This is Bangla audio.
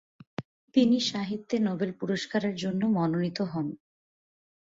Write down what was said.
তিনি সাহিত্যে নোবেল পুরস্কারের জন্য মনোনীত হন।